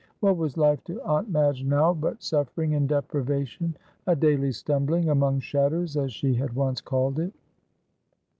What was life to Aunt Madge now but suffering and deprivation, a daily stumbling among shadows, as she had once called it.